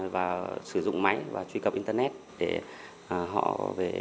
và sử dụng máy và truy cập internet để họ về